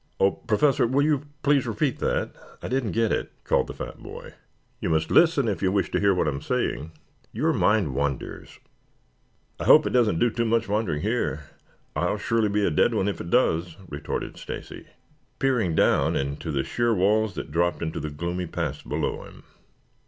"Oh, Professor. Will you please repeat that? I didn't get it," called the fat boy. "You must listen if you wish to hear what I am saying. Your mind wanders." "I hope it doesn't do much wandering here. I'll surely be a dead one if it does," retorted Stacy, peering down the sheer walls that dropped into the gloomy pass below him.